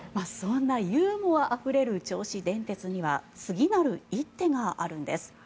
そんなユーモアあふれる銚子電鉄には次なる一手があるんです。